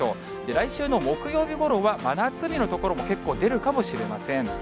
来週の木曜日ごろは、真夏日の所も結構出るかもしれません。